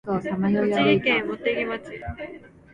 栃木県茂木町